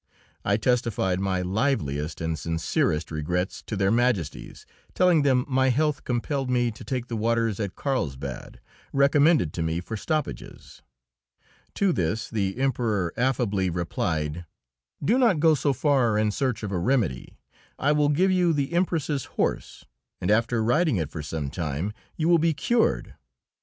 I testified my liveliest and sincerest regrets to Their Majesties, telling them my health compelled me to take the waters at Carlsbad, recommended to me for stoppages. To this the Emperor affably replied: "Do not go so far in search of a remedy. I will give you the Empress's horse, and after riding it for some time you will be cured."